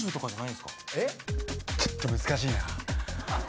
ちょっと難しいな。